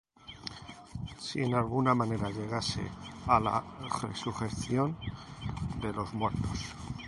Si en alguna manera llegase á la resurrección de los muertos.